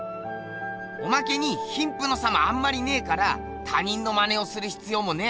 おまけに貧富の差もあんまりねえから他人のまねをする必要もねえ。